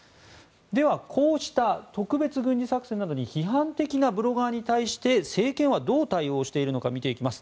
では、こうした特別軍事作戦などに批判的なブロガーに対して政権はどう対応しているのか見ていきます。